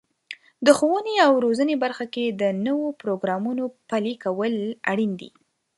د ښوونې او روزنې برخه کې د نوو پروګرامونو پلي کول اړین دي.